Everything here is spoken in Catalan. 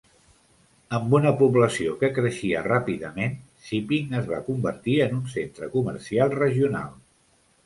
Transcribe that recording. Amb una població que creixia ràpidament, Siping es va convertir en un centre comercial regional.